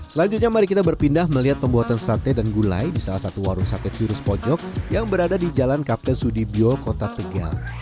selanjutnya mari kita berpindah melihat pembuatan sate dan gulai di salah satu warung sate jurus pojok yang berada di jalan kapten sudibyo kota tegal